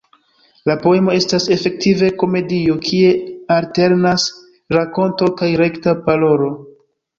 La poemo estas efektive komedio, kie alternas rakonto kaj rekta parolo.